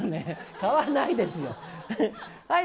買わないですよ。